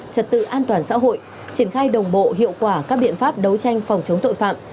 trật tự an toàn xã hội triển khai đồng bộ hiệu quả các biện pháp đấu tranh phòng chống tội phạm